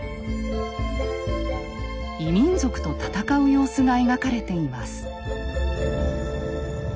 異民族と戦う様子が描かれています。